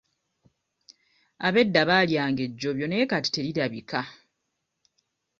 Ab'edda baalyanga ejjobyo naye kati terirabika.